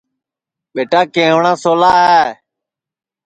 ٻیٹا کیہٹؔا سَولا ہے